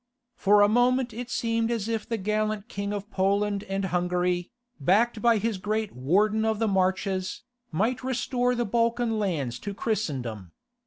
For a moment it seemed as if the gallant king of Poland and Hungary, backed by his great Warden of the Marches, might restore the Balkan lands to Christendom.